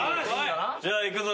じゃあいくぞ。